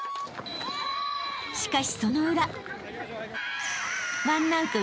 ［しかしその裏］